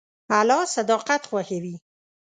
الله صداقت خوښوي.